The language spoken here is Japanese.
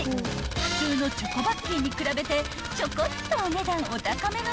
普通のチョコバッキーに比べてちょこっとお値段お高めの］